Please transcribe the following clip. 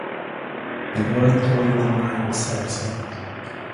Minden dalt Joey DeMaio szerzett.